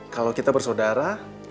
kalau kita bersaudara